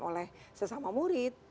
oleh sesama murid